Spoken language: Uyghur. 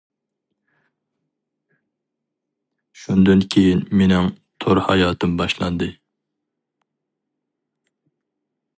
شۇندىن كېيىن مېنىڭ تور ھاياتىم باشلاندى.